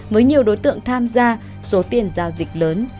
với nhiều đối tượng tham gia số tiền giao dịch lớn